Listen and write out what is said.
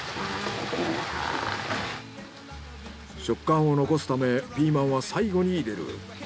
食感を残すためピーマンは最後に入れる。